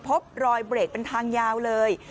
พบรอยเบรกเป็นทางยาวเลย